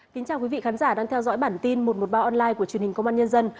xin chào quý vị khán giả đang theo dõi bản tin một trăm một mươi ba online của truyền hình công an nhân dân